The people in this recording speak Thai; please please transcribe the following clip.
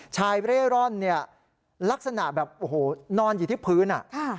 เร่ร่อนเนี่ยลักษณะแบบโอ้โหนอนอยู่ที่พื้น